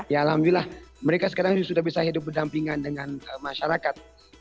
ya alhamdulillah mereka sekarang sudah bisa hidup berdampingan dengan masyarakat